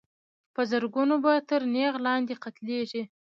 په زرګونو به تر تېغ لاندي قتلیږي